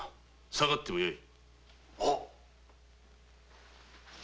下がってよい。